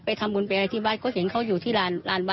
ทำบุญไปอะไรที่วัดก็เห็นเขาอยู่ที่ลานวัด